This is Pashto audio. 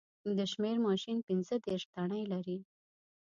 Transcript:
د شمېر ماشین پینځه دېرش تڼۍ لري